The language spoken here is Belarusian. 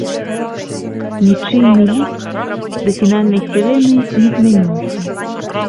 Нічыйны лік да фінальнай сірэны не змяніўся.